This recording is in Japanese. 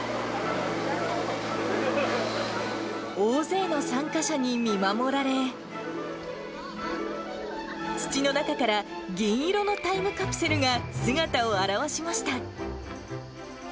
大勢の参加者に見守られ、土の中から銀色のタイムカプセルが姿を現しました。